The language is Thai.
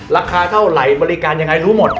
ราคาเท่าไหร่บริการยังไงรู้หมด